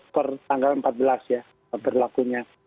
pertanggal empat belas ya berlakunya